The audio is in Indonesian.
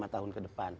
lima tahun ke depan